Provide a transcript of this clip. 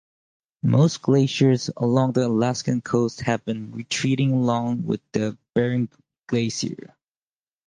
Most glaciers along the Alaskan coast have been retreating along with the Bering Glacier.